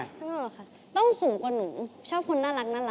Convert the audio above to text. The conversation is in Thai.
ข้างนอกค่ะต้องสูงกว่าหนูชอบคนน่ารัก